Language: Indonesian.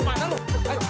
beda banget ya dapet